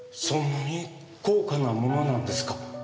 そんなに高価なものなんですか？